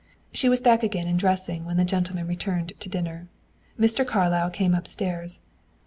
She was back again, and dressing when the gentlemen returned to dinner. Mr. Carlyle came upstairs.